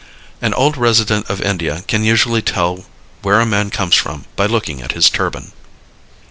An old resident of India can usually tell where a man comes from by looking at his turban.